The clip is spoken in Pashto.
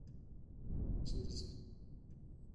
چیرته ځئ؟